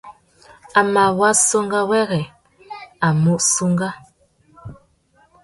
A mà assunga wêrê a mù sunga.